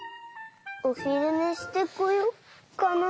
おひるねしてこようかな。